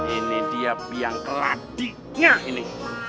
ini dia biang keradiknya ini